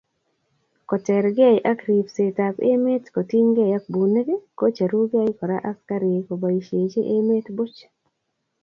kotergei ak ribsetab emet kotinygei ak bunik, kocherugei kora askarik koboisiechi emet buch.